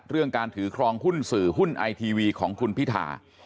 การถือครองหุ้นสื่อหุ้นไอทีวีของคุณพิธา